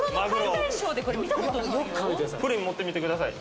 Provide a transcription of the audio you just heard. これ持ってみてください。